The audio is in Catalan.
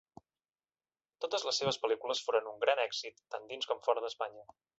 Totes les seves pel·lícules foren un gran èxit tant dins com fora d'Espanya.